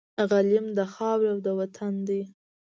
غلیم د خاوري او د وطن دی